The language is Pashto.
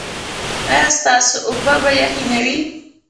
ایا ستاسو اوبه به یخې نه وي؟